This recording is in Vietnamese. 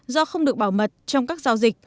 do không được bảo mật trong các giao dịch